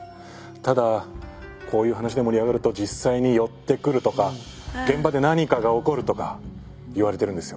ただこういう話で盛り上がると実際に寄ってくるとか現場で何かが起こるとかいわれてるんですよ。